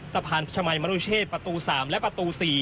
สะพานชมัยมรุเชษประตู๓และประตู๔